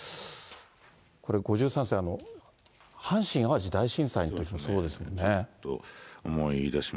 これ、５３世、阪神・淡路大震災のときもそうですよね。